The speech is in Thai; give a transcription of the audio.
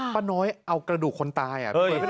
ป้าน้อยเอากระดูกคนตาย